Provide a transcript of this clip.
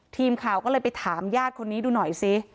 ทีมข่าวก็เลยไปถามญาติคนนี้ดูหน่อยซิ